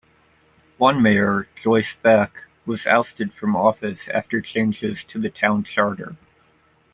One mayor, Joyce Beck, was ousted from office after changes to the Town Charter.